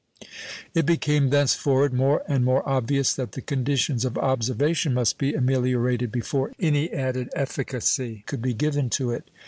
It became thenceforward more and more obvious that the conditions of observation must be ameliorated before any added efficacy could be given to it.